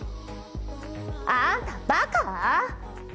あんたバカァ？